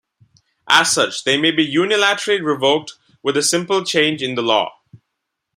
As such they may be unilaterally revoked with a simple change in the law.